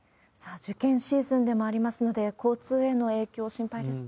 受験シーズンでもありますので、交通への影響、心配ですね。